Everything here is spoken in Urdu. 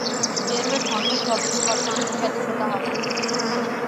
چیمپئنز ہاکی ٹرافی میں پاکستان نے پہلی فتح حاصل کرلی